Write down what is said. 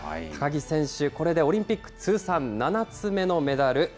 高木選手、これでオリンピック通算７つ目のメダル。